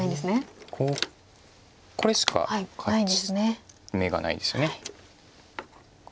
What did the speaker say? これしか眼がないですよね。